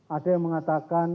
ada yang mengatakan